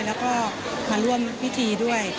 แล้วก็มาร่วมพิธีด้วย